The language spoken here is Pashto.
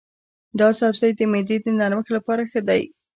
دا سبزی د معدې د نرمښت لپاره ښه دی.